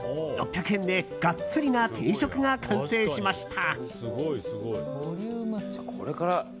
６００円でガッツリな定食が完成しました。